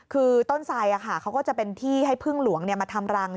คือต้นไสเขาก็จะเป็นที่ให้พึ่งหลวงมาทำรัง